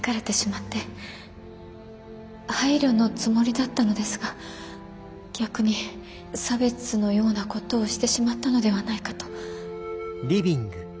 配慮のつもりだったのですが逆に差別のようなことをしてしまったのではないかと。